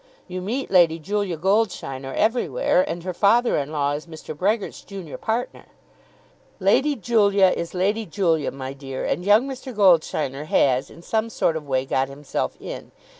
You meet Lady Julia Goldsheiner everywhere, and her father in law is Mr. Brehgert's junior partner." "Lady Julia is Lady Julia, my dear, and young Mr. Goldsheiner has, in some sort of way, got himself in.